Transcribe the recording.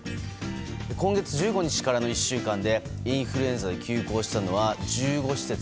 今月１５日からの１週間でインフルエンザで休校したのは１５施設。